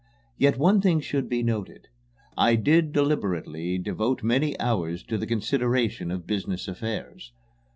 Yet one thing should be noted: I did deliberately devote many hours to the consideration of business affairs.